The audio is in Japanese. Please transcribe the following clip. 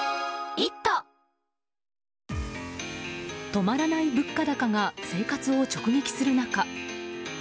止まらない物価高が生活を直撃する中